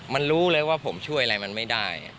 มันรู้เลยว่าผมช่วยอะไรมันไม่ได้